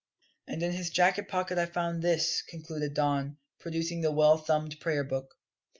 "And in his jacket pocket I found this," concluded Don, producing the well thumbed Prayer Book.